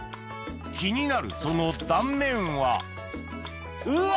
気になるその断面はうわ！